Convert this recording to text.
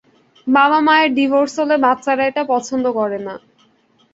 বাবা-মায়ের ডিভোর্স হলে বাচ্চারা এটা পছন্দ করে না।